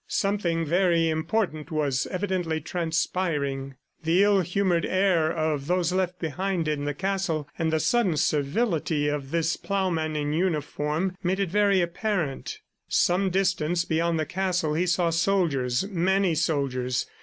Something very important was evidently transpiring the ill humored air of those left behind in the castle, and the sudden servility of this plowman in uniform, made it very apparent. ... Some distance beyond the castle he saw soldiers, many soldiers.